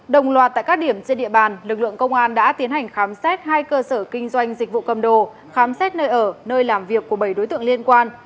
đồng loạt tại các điểm trên địa bàn lực lượng công an đã tiến hành khám xét hai cơ sở kinh doanh dịch vụ cầm đồ khám xét nơi ở nơi làm việc của bảy đối tượng liên quan